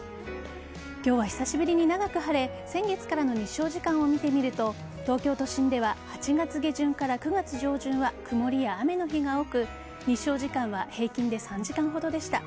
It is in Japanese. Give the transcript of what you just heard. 今日は久しぶりに長く晴れ先月からの日照時間を見てみると東京都心では８月下旬から９月上旬は曇りや雨の日が多く日照時間は平均で３時間ほどでした。